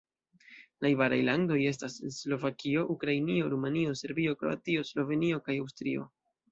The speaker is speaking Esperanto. Najbaraj landoj estas Slovakio, Ukrainio, Rumanio, Serbio, Kroatio, Slovenio kaj Aŭstrio.